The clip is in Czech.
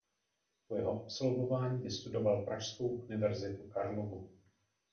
Po jeho absolvování vystudoval pražskou Univerzitu Karlovu.